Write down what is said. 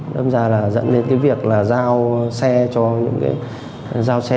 dẫn đến việc giao xe